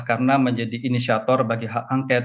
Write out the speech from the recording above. karena menjadi inisiator bagi hak angket